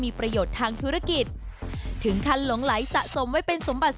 มีประโยชน์ทางธุรกิจถึงขั้นหลงไหลสะสมไว้เป็นสมบัติ